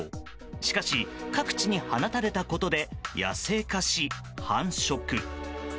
しかし各地に放たれたことで野生化し、繁殖。